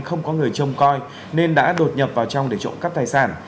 không có người trông coi nên đã đột nhập vào trong để trộm cắp tài sản